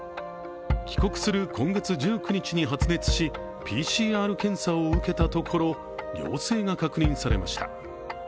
帰国する今月１９日に発熱し、ＰＣＲ検査を受けたところ陽性が確認されました。